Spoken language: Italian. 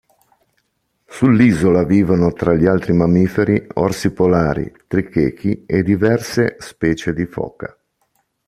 Sull'isola vivono tra gli altri mammiferi orsi polari, trichechi e diverse specie di foca.